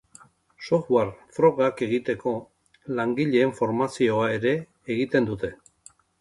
Software frogak egiteko langileen formazioa ere egiten dute.